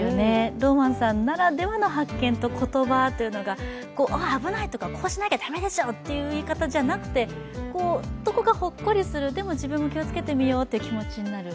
ローマンさんならではの発見と言葉というのが、危ない！とかこうしなきゃだめでしょ！っていう言い方じゃなくてどこがほっこりする、でも、自分も気をつけてみようという気持ちになる。